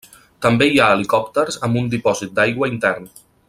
També hi ha helicòpters amb un dipòsit d'aigua intern.